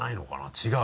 違う？